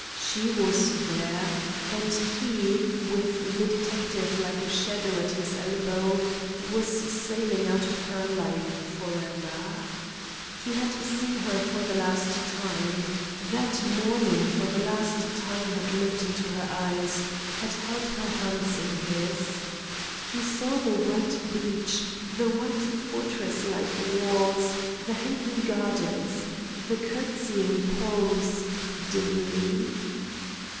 She was there, and he with the detective like a shadow at his elbow, was sailing out of her life forever. He had seen her for the last time: that morning for the last time had looked into her eyes, had held her hands in his. He saw the white beach, the white fortress like walls, the hanging gardens, the courtesying palms, dimly.